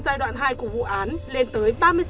giai đoạn hai của vụ án lên tới